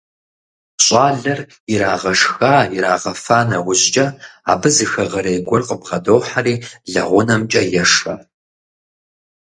ЩӀалэр ирагъэшха-ирагъэфа нэужькӀэ, абы зы хэгъэрей гуэр къыбгъэдохьэри лэгъунэмкӀэ ешэ.